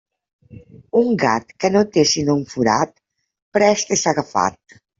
Un gat que no té sinó un forat, prest és agafat.